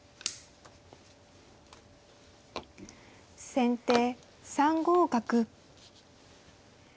先手３五角。